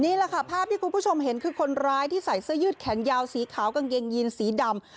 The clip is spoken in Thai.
นี่แหละค่ะภาพที่คุณผู้ชมเห็นคือคนร้ายที่ใส่เสื้อยืดแขนยาวสีขาวกางเกงยีนสีดำ